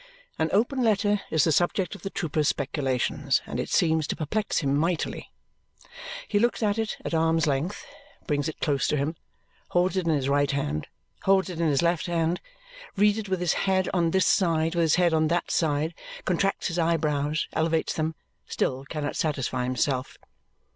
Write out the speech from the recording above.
An open letter is the subject of the trooper's speculations, and it seems to perplex him mightily. He looks at it at arm's length, brings it close to him, holds it in his right hand, holds it in his left hand, reads it with his head on this side, with his head on that side, contracts his eyebrows, elevates them, still cannot satisfy himself.